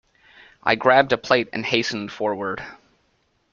I grabbed a plate and hastened forward.